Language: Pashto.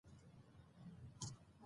ټپه